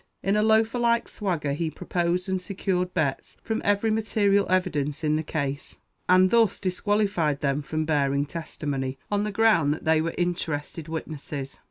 In a loafer like swagger he proposed and secured bets from every material evidence in the case, and thus disqualified them from bearing testimony, on the ground that they were interested witnesses."